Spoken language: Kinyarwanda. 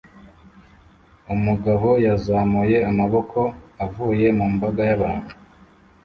Umugabo yazamuye amaboko avuye mu mbaga y'abantu